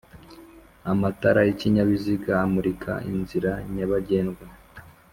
amatara y'ikinyabiziga amurika inzira nyabagendwa